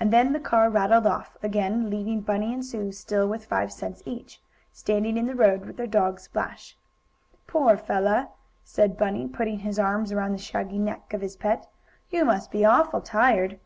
And then the car rattled off again, leaving Bunny and Sue, still with five cents each, Standing in the road, with their dog Splash. "Poor fellow," said Bunny, putting his arms around the shaggy neck of his pet, "you must be awful tired!"